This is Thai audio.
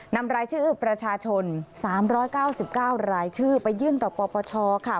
นำรายชื่อประชาชน๓๙๙รายชื่อไปยื่นต่อปปชค่ะ